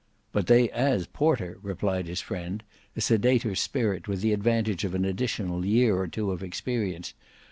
"But they as porter," replied his friend, a sedater spirit with the advantage of an additional year or two of experience.